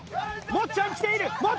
もっちゃんきている！